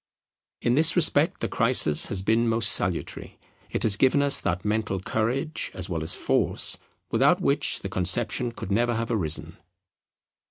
In this respect the crisis has been most salutary; it has given us that mental courage as well as force without which the conception could never have arisen.